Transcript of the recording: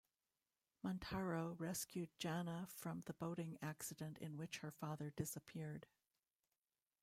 Montaro rescued Jana from the boating accident in which her father disappeared.